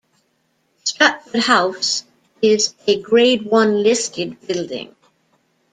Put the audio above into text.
Stratford House is a Grade One listed building.